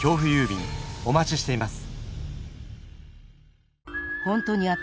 便お待ちしています。